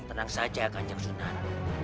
tenang saja kan jangsunan